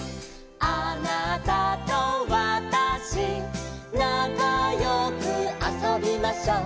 「あなたとわたしなかよくあそびましょ」